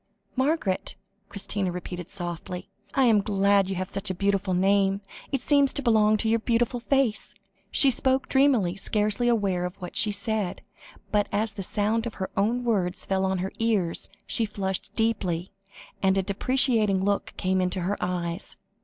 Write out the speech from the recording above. "Margaret," Christina repeated softly; "I am glad you have such a beautiful name. It seems to belong to your beautiful face." She spoke dreamily, scarcely aware of what she said, but as the sound of her own words fell on her ears, she flushed deeply, and a deprecating look came into her eyes.